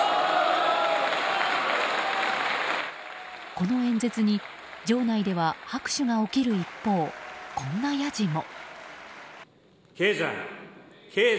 この演説に、場内では拍手が起きる一方、こんなやじも。